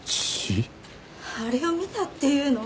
あれを見たっていうの？